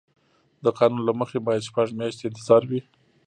د قانون له مخې باید شپږ میاشتې انتظار وي.